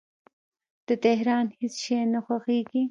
د تهران هیڅ شی نه خوښیږي